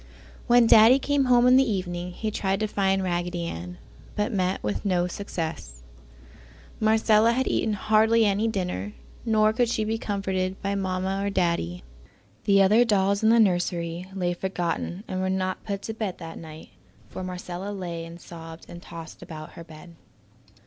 When Daddy came home in the evening he tried to find Raggedy, but met with no success. Marcella had eaten hardly any dinner, nor could she be comforted by Mamma or Daddy. The other dolls in the nursery lay forgotten and were not put to bed that night, for Marcella lay and sobbed and tossed about her bed.